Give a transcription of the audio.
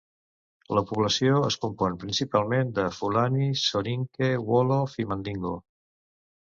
La població es compon principalment de Fulani, Soninke, Wolof i Mandingo.